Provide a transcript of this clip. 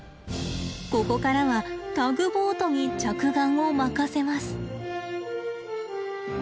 ここからはタグボートに着岸を任せます。